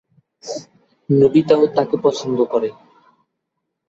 নোবিতা-ও তাকে পছন্দ করে।